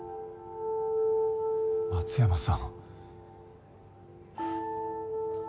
松山さん。